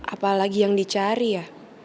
apalagi yang dicari ya